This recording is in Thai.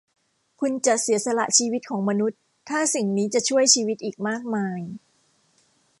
คุณจะเสียสละชีวิตของมนุษย์ถ้าสิ่งนี้จะช่วยชีวิตอีกมากมาย ?